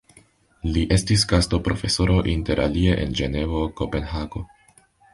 Li estis gastoprofesoro inter alie en Ĝenevo, Kopenhago.